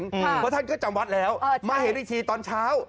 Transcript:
เพราะท่านก็จำวัดแล้วมาเห็นอีกทีตอนเช้า